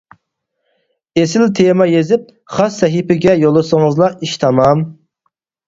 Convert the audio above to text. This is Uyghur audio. ئېسىل تېما يېزىپ، خاس سەھىپىگە يوللىسىڭىزلا ئىش تامام!